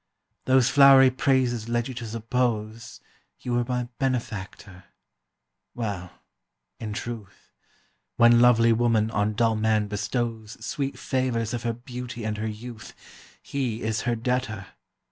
Those flowery praises led you to suppose You were my benefactor. Well, in truth, When lovely woman on dull man bestows Sweet favours of her beauty and her youth, He is her debtor.